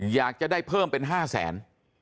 อยากจะได้เพิ่มเป็น๕แสน